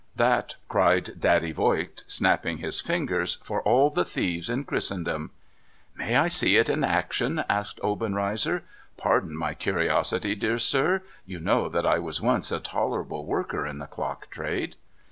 That !' cried Daddy Voigt, snapping his fingers, ' for all the thieves in Christendom !'' May I see it in action ?' asked Obenreizer. ' Pardon my curiosity, dear sir ! You know that I was once a tolerable worker in the clock trade.'